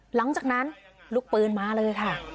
หลังจากนั้นลูกปืนมาเลยค่ะ